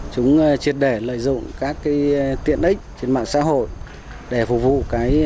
chúng triệt để lợi dụng các tiện ích trên mạng xã hội để phục vụ